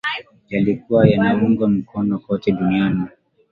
yaliyokuwa yanaungwa mkono kote duniani